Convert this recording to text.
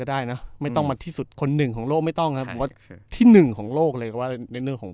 ได้นะไม่ต้องมาที่สุดคนหนึ่งของโลกไม่ต้องครับผมว่าที่หนึ่งของโลกเลยก็ว่าในเรื่องของ